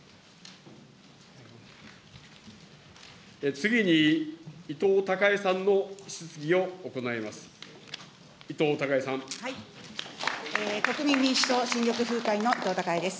次に、伊藤孝恵さんの質疑を行います。